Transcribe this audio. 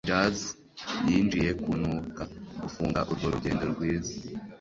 jazz yinjiye, kunuka gufunga urwo rugendo rwiza